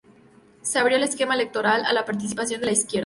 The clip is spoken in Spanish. Se abrió el esquema electoral a la participación de la izquierda.